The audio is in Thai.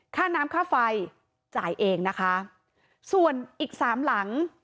ค่าน้ำค่าไฟจ่ายเองนะคะส่วนอีกสามหลัง